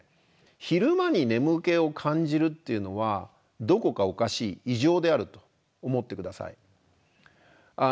昼間に眠気を感じるっていうのはどこかおかしい異常であると思って下さい。